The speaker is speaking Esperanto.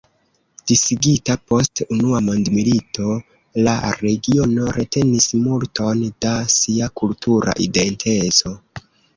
Disigita post unua mondmilito, la regiono retenis multon da sia kultura identeco.